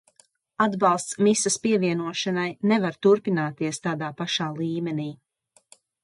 Atbalsts misas pievienošanai nevar turpināties tādā pašā līmenī.